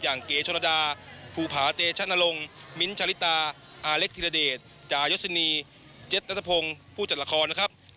อย่างเก๊ชนดาภูผาเตชะนรงมิ้นท์ชาลิตาอาเล็กท์ธิระเดชจายศินีเจ็ดนัทภงผู้จัดละครนะครับ